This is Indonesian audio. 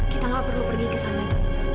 kita nggak perlu pergi ke sana duk